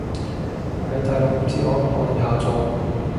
喺大陸唔知可唔可以下載